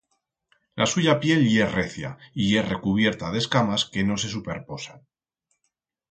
La suya piel ye recia y ye recubierta d'escamas que no se superposan.